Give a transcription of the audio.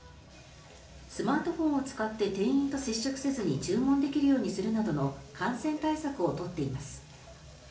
スマートフォンを使って店員と接触せずに注文できるようにするなどの感染対策を取っています。